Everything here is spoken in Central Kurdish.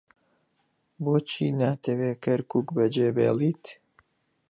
بۆچی ناتەوێت کەرکووک بەجێبهێڵێت؟